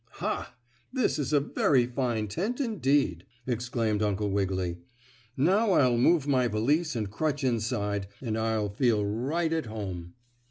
"Ha! this is a very fine tent indeed!" exclaimed Uncle Wiggily. "Now I'll move my valise and crutch inside, and I'll feel right at home."